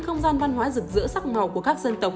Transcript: không gian văn hóa rực rỡ sắc màu của các dân tộc